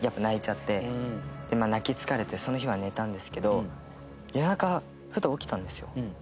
泣き疲れてその日は寝たんですけど夜中ふと起きたんですよ。